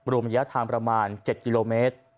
รวมระยะทางประมาณ๗กิโลเมตร